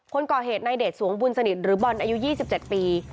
คนก่อเหตุในเดชสวงบุญสนิทหรือบอลอายุ๒๗ปี